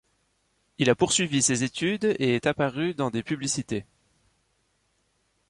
Il a poursuivi ses études et est apparu dans des publicités.